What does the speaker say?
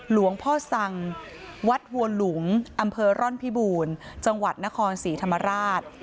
หลวงพ่อสังวัดหัวหลุงอำเภอร่อนพิบูรณ์จังหวัดนครศรีธรรมราช